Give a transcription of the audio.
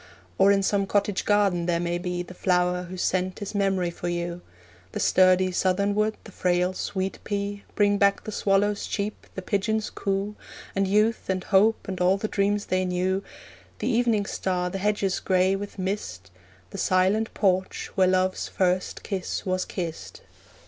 Or in some cottage garden there may be The flower whose scent is memory for you; The sturdy southern wood, the frail sweet pea, Bring back the swallow's cheep, the pigeon's coo, And youth, and hope, and all the dreams they knew, The evening star, the hedges grey with mist, The silent porch where Love's first kiss was kissed.